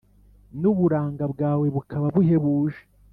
N’uburanga bwawe bukaba buhebuje